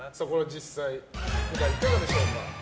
実際いかがでしょうか？